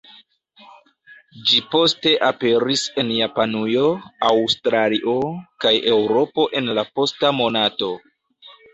Ĝi poste aperis en Japanujo, Aŭstralio kaj Eŭropo en la posta monato.